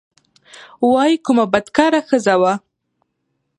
وايي کومه بدکاره ښځه وه.